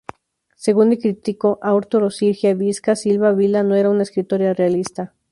Según el crítico Arturo Sergio Visca, Silva Vila no era una escritora realista.